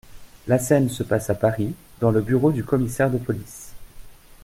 La scène se passe à Paris, dans le bureau du Commissaire de police.